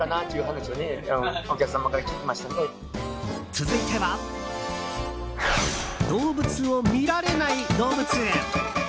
続いては動物を見られない動物園。